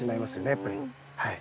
やっぱりはい。